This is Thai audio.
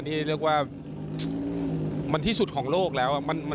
ที่เรียกว่ามันที่สุดของโลกแล้ว